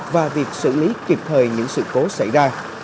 và việc xử lý kịp thời những sự cố xảy ra